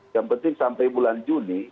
yang penting sampai bulan juni